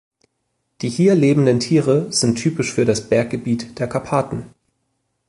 Die hier lebenden Tiere sind typisch für das Berggebiet der Karpaten.